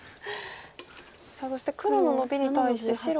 さあそして黒のノビに対して白はツケ。